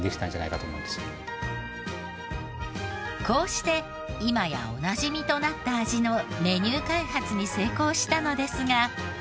こうして今やおなじみとなった味のメニュー開発に成功したのですが。